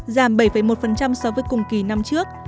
giảm bảy một so với cùng kỳ năm trước